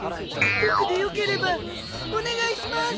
僕でよければお願いします！